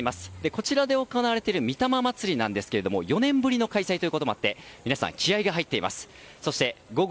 こちらで行われているみ霊祭りなんですが４年ぶりの開催ということもあり皆さん、気合が入っています。